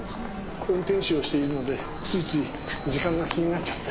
運転士をしているのでついつい時間が気になっちゃって。